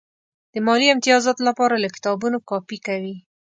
د مالي امتیازاتو لپاره له کتابونو کاپي کوي.